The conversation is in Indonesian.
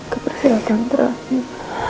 ke perjalanan terakhir